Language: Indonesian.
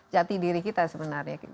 jati diri kita sebenarnya